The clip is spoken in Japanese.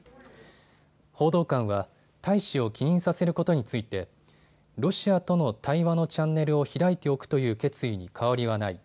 報道官は大使を帰任させることについてロシアとの対話のチャンネルを開いておくという決意に変わりはない。